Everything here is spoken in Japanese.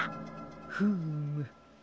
フーム。